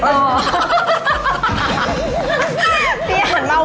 สมมติก็คือถ้าพี่อันกลับไปเตย